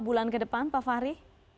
enam bulan ke depan pak fahri